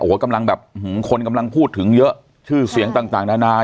โอ้โหกำลังแบบคนกำลังพูดถึงเยอะชื่อเสียงต่างนานา